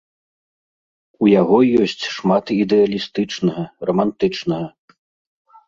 У яго ёсць шмат ідэалістычнага, рамантычнага.